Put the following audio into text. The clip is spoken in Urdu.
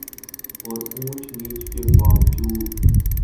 اور اونچ نیچ کے باوجود